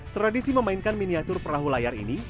tradisi memainkan miniatur perahu layar ini